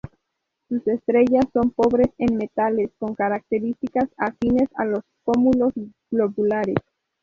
Sus estrellas son pobres en metales, con características afines a los cúmulos globulares.